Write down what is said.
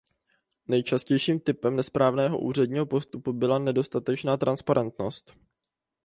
Nejčastějším typem nesprávného úředního postupu byla nedostatečná transparentnost.